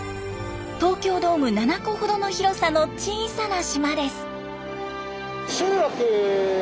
東京ドーム７個ほどの広さの小さな島です。